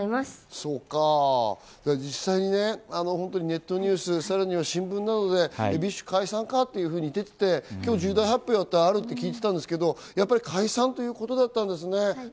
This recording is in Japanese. そうか、実際にね、ネットニュース、さらには新聞などで、ＢｉＳＨ解散か？というふうに出ていて、今日重大発表があると聞いていて、やっぱり解散ということだったんですね。